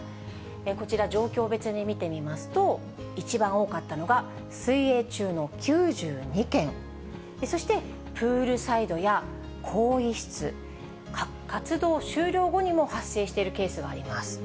こちら、状況別に見てみますと、一番多かったのが水泳中の９２件、そしてプールサイドや更衣室、活動終了後にも発生しているケースがあります。